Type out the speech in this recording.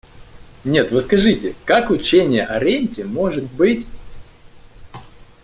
Нет, вы скажите, как учение о ренте может быть...